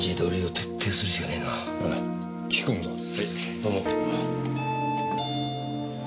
どうも。